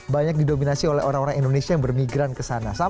banyak didominasi oleh orang orang indonesia yang bermigran ke sana